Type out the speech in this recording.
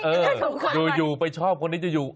เอออยู่ไปชอบคนนี้จะอยู่